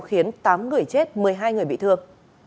khiến tám người chết một mươi hai người bị thương